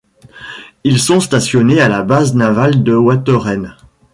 Ils sont stationnés à la Base navale de Waterhen.